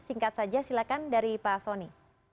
singkat saja silahkan dari pak soni